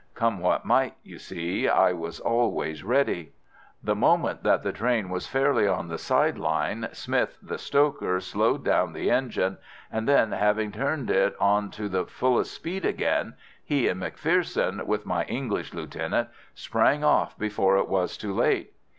Come what might, you see, I was always ready. "The moment that the train was fairly on the side line, Smith, the stoker, slowed down the engine, and then, having turned it on to the fullest speed again, he and McPherson, with my English lieutenant, sprang off before it was too late.